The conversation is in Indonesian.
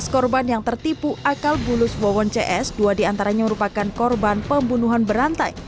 lima belas korban yang tertipu akal bulus wawon cs dua diantaranya merupakan korban pembunuhan berantai